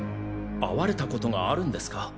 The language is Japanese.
会われたことがあるんですか？